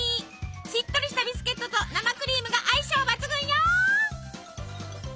しっとりしたビスケットと生クリームが相性抜群よ！